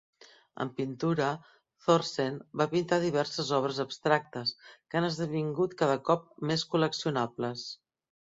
En pintura, Thorsen va pintar diverses obres abstractes, que han esdevingut cada cop més col·leccionables.